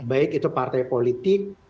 baik itu partai politik